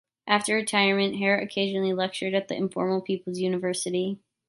After retirement, Haret occasionally lectured at the informal "People's University".